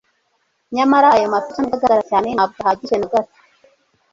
Nyamara ayo mapica nubwo agaragara cyane ntabwo ahagije na gato